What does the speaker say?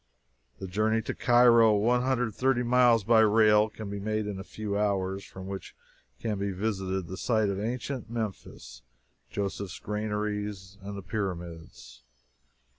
The journey to Cairo, one hundred and thirty miles by rail, can be made in a few hours, and from which can be visited the site of ancient Memphis, Joseph's Granaries, and the Pyramids.